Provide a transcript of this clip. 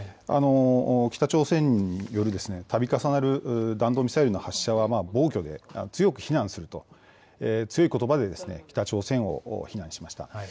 北朝鮮によるたび重なる弾道ミサイルの発射は暴挙で、強く非難すると強いことばで北朝鮮を非難しました。